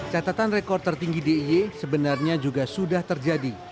catatan rekor tertinggi d i e sebenarnya juga sudah terjadi